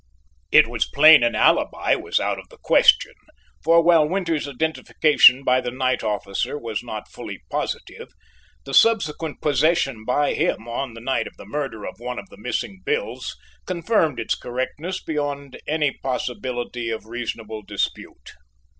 It was plain an alibi was out of the question, for while Winters's identification by the night officer was not fully positive, the subsequent possession by him, on the night of the murder, of one of the missing bills confirmed its correctness beyond any possibility of reasonable dispute.